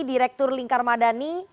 direktur lingkar madani